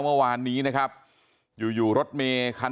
สวัสดีครับคุณผู้ชาย